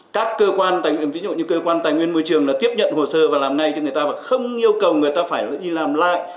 các cơ quan ví dụ như cơ quan tài nguyên môi trường là tiếp nhận hồ sơ và làm ngay cho người ta và không yêu cầu người ta phải đi làm lại